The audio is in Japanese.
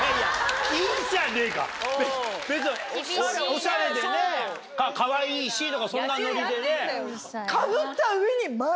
オシャレでねかわいいしとかそんなノリでね。